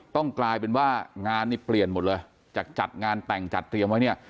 กลายเป็นว่างานนี่เปลี่ยนหมดเลยจากจัดงานแต่งจัดเตรียมไว้เนี่ย